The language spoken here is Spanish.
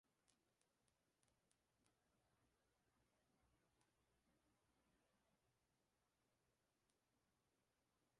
De esta localidad destaca su playa, llamada de El Sable.